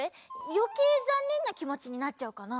よけいざんねんなきもちになっちゃうかなあ？